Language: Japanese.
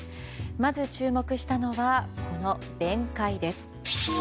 まず、注目したのはこの弁解です。